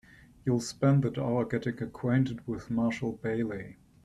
You will spend that hour getting acquainted with Marshall Bailey.